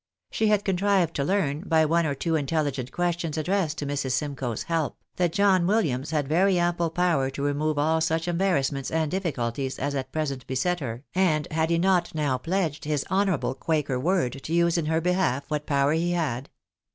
She had contrived to learn, by one or two intelligent questions addressed to Mrs. Simcoe's Jielp^ that John WiUiams had very ample power to remove aU such embarrassments and difficulties as at present beset her, and had he not now pledged his honourable quaker word to use in her behalf what power he had